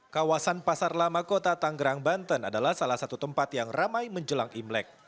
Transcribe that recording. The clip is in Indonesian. kawasan pasar lama kota tanggerang banten adalah salah satu tempat yang ramai menjelang imlek